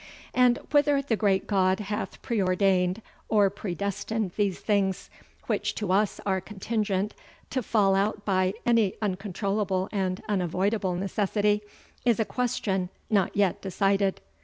And whither the great God hath preordained or predestinated these things, which to us are contingent, to fall out by ane uncontrollable and unavoidable necessitie, is a question not yet decided."